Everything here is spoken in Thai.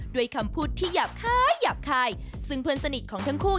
ด้วยคำพูดที่หยาบคายหยาบคายซึ่งเพื่อนสนิทของทั้งคู่